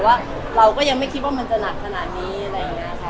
ว่าเราก็ยังไม่คิดว่ามันจะหนักขนาดนี้อะไรอย่างนี้ค่ะ